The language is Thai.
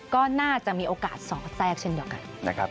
ก็น่าจะมีโอกาสสอบแทรกเช่นเดียวกัน